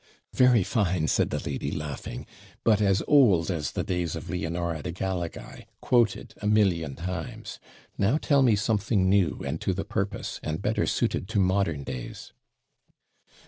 'Very fine,' said the lady, laughing, 'but as old as the days of Leonora de Galigai, quoted a million times. Now tell me something new and to the purpose, and better suited to modern days.'